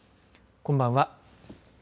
こんばんは。